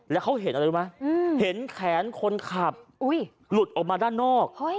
แล้วเขาเห็นอะไรรู้ไหมเห็นแขนคนขับหลุดออกมาด้านนอก